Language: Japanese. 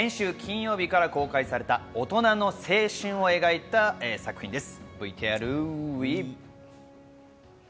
続いては先週金曜日から公開された大人の青春を描いた作品です。